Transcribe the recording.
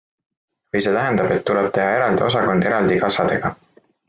Või see tähendab, et tuleb teha eraldi osakond eraldi kassadega?